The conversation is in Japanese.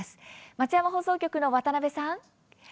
松山放送局の渡部さん